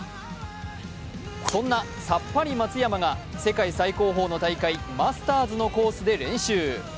そんな、さっぱり松山が世界最高峰の大会、マスターズのコースで練習。